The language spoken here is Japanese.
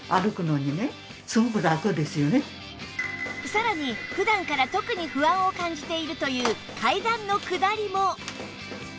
さらに普段から特に不安を感じているという階段の下りも